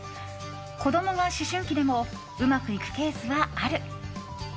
子供が思春期でもうまくいくケースはある。